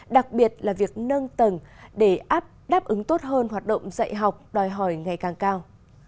đặc biệt là việc nâng tầng để áp đáp ứng tốt hơn hoạt động dạy học đòi hỏi ngày càng cao